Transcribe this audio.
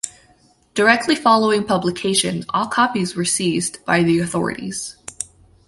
Directly following publication all copies were seized by the authorities.